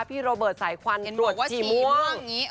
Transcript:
พี่โรเบิร์ตสายขวัญตรวจสีม่วง